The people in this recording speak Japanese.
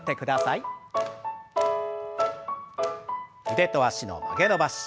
腕と脚の曲げ伸ばし。